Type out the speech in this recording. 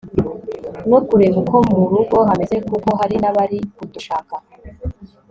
no kureba uko murugo hameze kuko hari nabari kudushaka